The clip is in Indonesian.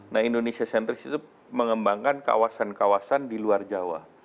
nah indonesia sentris itu mengembangkan kawasan kawasan di luar jawa